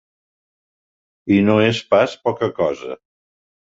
I no és pas poca cosa.